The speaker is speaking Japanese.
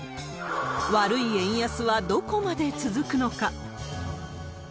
悪い円安はどこまで続くのか。